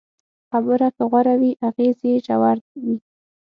خبره که غوره وي، اغېز یې ژور وي.